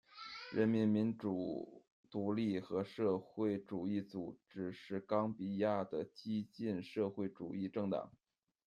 人民民主独立和社会主义组织是冈比亚的激进社会主义政党。